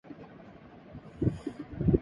ہاں بھلا کر ترا بھلا ہوگا